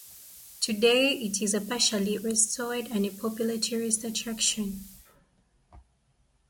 Today, it is partially restored and a popular tourist attraction.